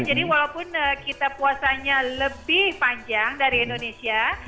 jadi walaupun kita puasanya lebih panjang dari indonesia